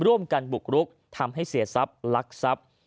ร่วมกันบุกรุกทำให้เสียทรัพย์ลักทรัพย์